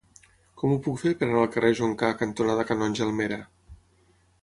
Com ho puc fer per anar al carrer Joncar cantonada Canonge Almera?